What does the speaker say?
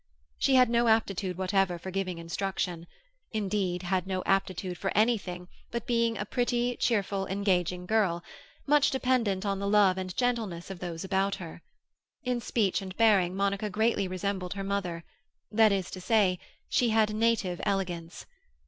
She had no aptitude whatever for giving instruction; indeed, had no aptitude for anything but being a pretty, cheerful, engaging girl, much dependent on the love and gentleness of those about her. In speech and bearing Monica greatly resembled her mother; that is to say, she had native elegance.